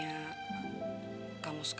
ya d bh bluetooth